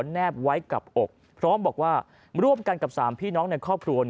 แนบไว้กับอกพร้อมบอกว่าร่วมกันกับ๓พี่น้องในครอบครัว